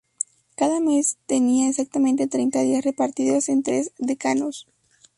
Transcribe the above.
Cada mes tenía exactamente treinta días, repartidos en tres decanos.